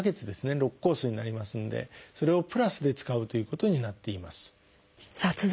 ６コースになりますのでそれをプラスで使うということになっています。